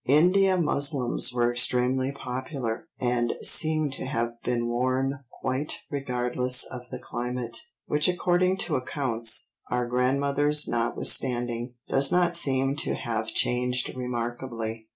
India muslins were extremely popular, and seemed to have been worn quite regardless of the climate, which according to accounts, our grandmothers notwithstanding, does not seem to have changed remarkably.